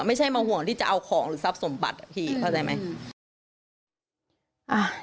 ไม่ใช่มาห่วงที่จะเอาของหรือทรัพย์สมบัติพี่เข้าใจไหม